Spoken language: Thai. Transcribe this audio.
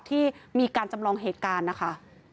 ที่มีการจำลองเหตุการณ์นะคะ